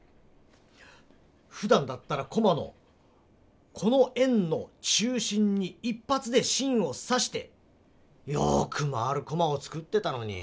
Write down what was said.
ふだんだったらコマのこの円の中心に一ぱつでしんをさしてよく回るコマを作ってたのに。